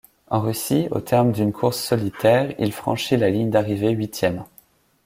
En Russie, au terme d'une course solitaire, il franchit la ligne d'arrivée huitième.